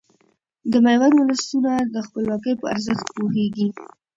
د ميوند ولسونه د خپلواکۍ په ارزښت پوهيږي .